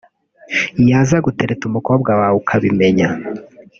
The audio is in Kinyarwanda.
yaza gutereta umukobwa wawe ukabimenya